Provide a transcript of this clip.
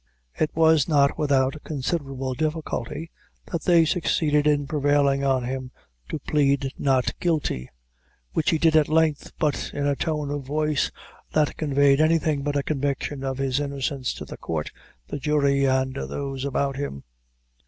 It was not without considerable difficulty that they succeeded in prevailing on him to plead not guilty; which he did at length, but in a tone of voice that conveyed anything but a conviction of his innocence to the court, the jury, and those about him.